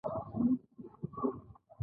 هغه اضافي ګټه چې ځمکوال ته ورکول کېږي